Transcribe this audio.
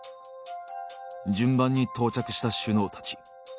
順番に到着した首脳たち。